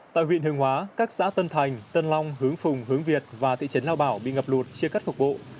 tại huyện hương hóa các xã tân thành tân long hướng phùng hướng việt và thị trấn lao bảo bị ngập lụt chia cắt cục bộ